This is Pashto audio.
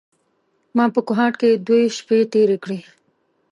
ما په کوهاټ کې دوې شپې تېرې کړې.